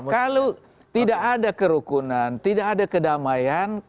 kalau tidak ada kerukunan tidak ada kedamaian